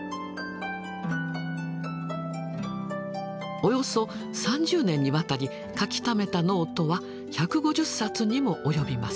およそ３０年にわたり書きためたノートは１５０冊にも及びます。